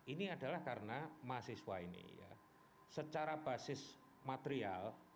ini adalah karena mahasiswa ini ya secara basis material